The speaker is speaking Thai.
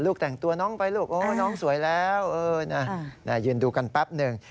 แต่งตัวน้องไปลูกโอ้น้องสวยแล้วยืนดูกันแป๊บหนึ่ง